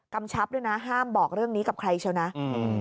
กำชับด้วยนะห้ามบอกเรื่องนี้กับใครเชียวนะอืม